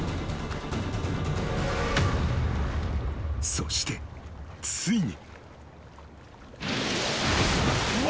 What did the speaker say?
［そしてついに］